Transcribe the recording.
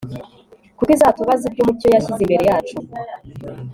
kuko izatubaza iby'umucyo yashyize imbere yacu